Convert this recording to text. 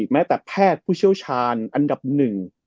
แม้แต่แพทย์ผู้เชี่ยวชาญอันดับหนึ่ง